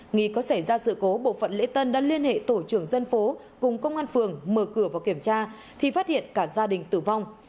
nghi có xảy ra sự cố bộ phận lễ tân đã liên hệ tổ trưởng dân phố cùng công an phường mở cửa vào kiểm tra thì phát hiện cả gia đình tử vong